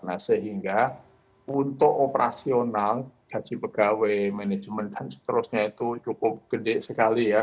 nah sehingga untuk operasional gaji pegawai manajemen dan seterusnya itu cukup gede sekali ya